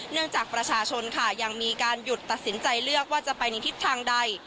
จากประชาชนค่ะยังมีการหยุดตัดสินใจเลือกว่าจะไปในทิศทางใด